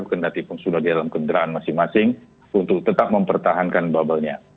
karena tipe sudah di dalam kendaraan masing masing untuk tetap mempertahankan bubblenya